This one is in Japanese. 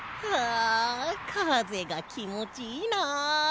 あかぜがきもちいいなあ。